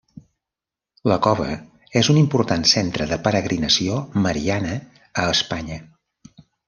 La cova és un important centre de peregrinació mariana a Espanya.